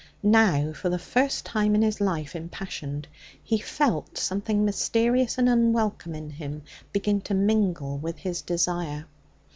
Now, for the first time in his life impassioned, he felt something mysterious and unwelcome to him begin to mingle with his desire.